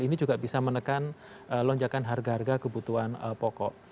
ini juga bisa menekan lonjakan harga harga kebutuhan pokok